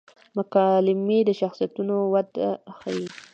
مکالمې د شخصیتونو وده ښيي.